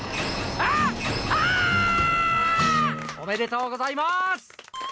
おめでとうございます。